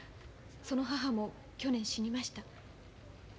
その母も去年死にました。